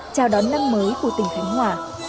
chào đón năm mới của tỉnh khánh hòa